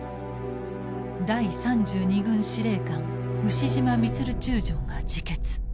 第３２軍司令官牛島満中将が自決。